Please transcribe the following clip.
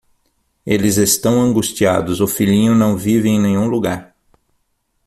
Eles estão angustiados, o filhinho não vive em nenhum lugar.